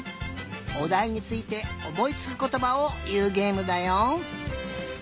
おだいについておもいつくことばをいうげえむだよ。